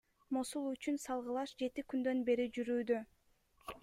Мосул үчүн салгылаш жети күндөн бери жүрүүдө.